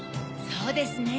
そうですね。